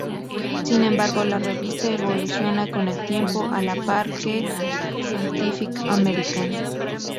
Sin embargo, la revista evoluciona con el tiempo a la par que "Scientific American".